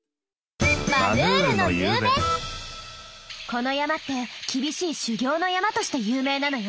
この山って厳しい修行の山として有名なのよ。